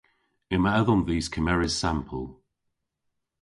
Yma edhom dhis kemeres sampel.